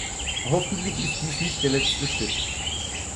Hoffentlich ist dies nicht der letzte Schritt.